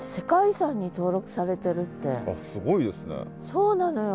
そうなのよ。